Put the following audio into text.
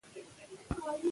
ـ تشه لاسه دښمنه.